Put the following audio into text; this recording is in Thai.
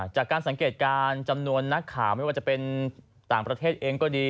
จากการสังเกตการณ์จำนวนนักข่าวไม่ว่าจะเป็นต่างประเทศเองก็ดี